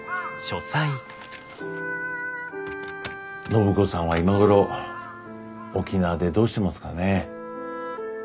暢子さんは今頃沖縄でどうしてますかね。